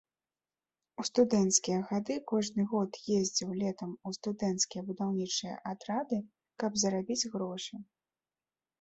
У студэнцкія гады кожны год ездзіў летам у студэнцкія будаўнічыя атрады, каб зарабіць грошы.